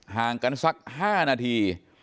ห่างกันสัก๕นาที